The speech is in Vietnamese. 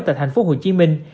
tại thành phố hồ chí minh